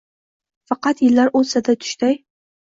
Faqat yillar o’tsa-da tushday